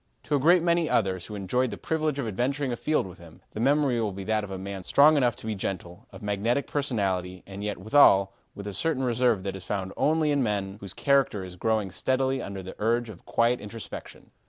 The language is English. To a great many others who enjoyed the privilege of adventuring afield with him, the memory will be that of a man strong enough to be gentle, of magnetic personality, and yet withal, with a certain reserve that is found only in men whose character is growing steadily under the urge of quiet introspection.